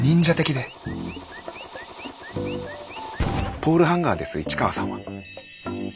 ポールハンガーです市川さんは。